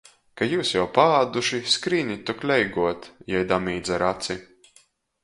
Ka jius jau paāduši, skrīnīt tok leiguot! jei damīdz ar aci.